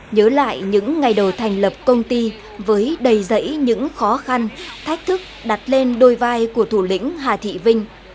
nhớ lại những ngày đầu thành lập công ty với đầy dãy những khó khăn thách thức đặt lên đôi vai của thủ lĩnh hà thị vinh